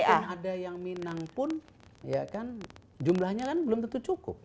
mungkin ada yang minang pun ya kan jumlahnya kan belum tentu cukup